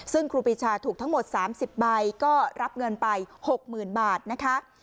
ซึ่งครูปีชาถูกทั้งหมด๓๐ใบก็รับเงินไป๖๐๐๐บาทนะคะ